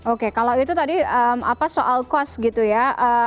oke kalau itu tadi soal kos gitu ya